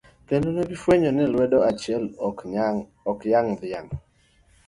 Kendo negi fwenyo ni lwedo achiel, ok yang' dhiang'.